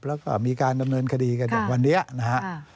แล้วก็มีการดำเนินคดีกันอย่างวันนี้นะครับ